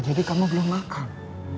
jadi kamu belum makan